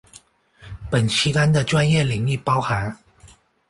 本期刊的专业领域包含